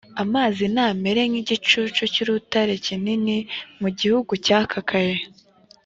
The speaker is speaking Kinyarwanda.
amazi n amere nk igicucu cy urutare runini mu gihugu cyakakaye